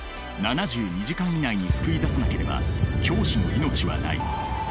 「７２時間以内に救い出さなければ教師の命はない」。